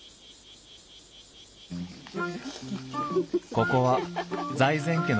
ここは財前家の裏庭。